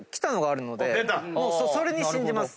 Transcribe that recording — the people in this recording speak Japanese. それを信じます。